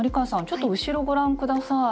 ちょっと後ろをご覧下さい。